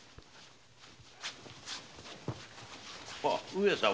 上様。